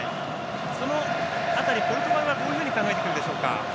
その辺り、ポルトガルはどういうふうに考えてくるでしょうか？